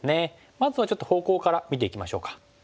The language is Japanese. まずはちょっと方向から見ていきましょうか。